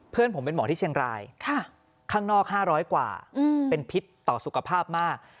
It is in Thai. เพื่อนผมเป็นหมอที่เชียงรายข้างนอก๕๐๐กว่าเป็นพิษต่อสุขภาพมาก